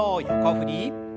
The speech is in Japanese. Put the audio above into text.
横振り。